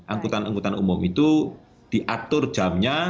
angkutan angkutan umum itu diatur jamnya